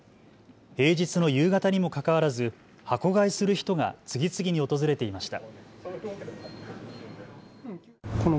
平日の夕方にもかかわらず箱買いする人が次々に訪れていました。